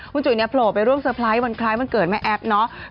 วันจุ๋ยเนี่ยโผล่ไปร่วมเซอร์ไพรส์วันใครมันเกิดไหมแอฟเนาะ